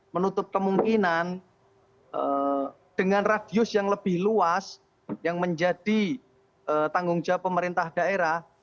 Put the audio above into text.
menutup kemungkinan dengan radius yang lebih luas yang menjadi tanggung jawab pemerintah daerah